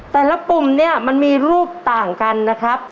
ปุ่มเนี่ยมันมีรูปต่างกันนะครับ